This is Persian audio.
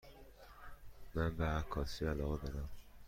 من به عکاسی علاقه دارم.